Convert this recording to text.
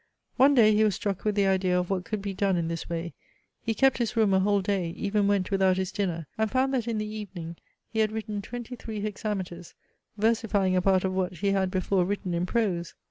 One day he was struck with the idea of what could be done in this way he kept his room a whole day, even went without his dinner, and found that in the evening he had written twenty three hexameters, versifying a part of what he had before written in prose.